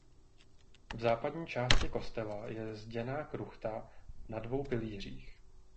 V západní části kostela je zděná kruchta na dvou pilířích.